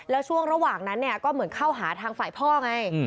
แล้วช่วงระหว่างนั้นเนี่ยก็เหมือนเข้าหาทางฝ่ายพ่อไง